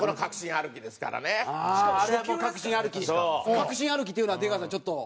確信歩きっていうのは出川さんちょっと。